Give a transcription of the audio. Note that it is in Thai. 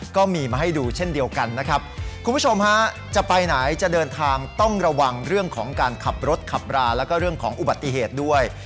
คุณผู้ชมฮาจะไปไหนจะเดินทางต้องระวังเรื่องของการขับรถขับราแล้วก็เรื่องของอุบัติเหตุด้วย